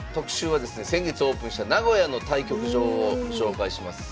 先月オープンした名古屋の対局場をご紹介します。